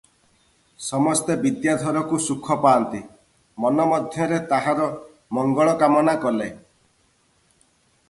ସମସ୍ତେ ବିଦ୍ୟାଧରକୁ ସୁଖ ପାନ୍ତି, ମନ ମଧ୍ୟରେ ତାହାର ମଂଗଳକାମନା କଲେ ।